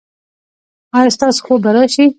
ایا ستاسو خوب به راشي؟